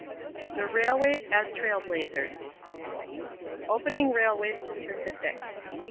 THE RAILWAYS AS TRAIL BLAZERS =Opening Railways to the Pacific.